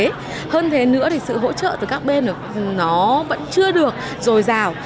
mà hơn thế nữa thì sự hỗ trợ từ các bên nó vẫn chưa được rồi rào